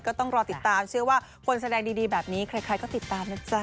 ก็ต้องรอติดตามเชื่อว่าคนแสดงดีแบบนี้ใครก็ติดตามนะจ๊ะ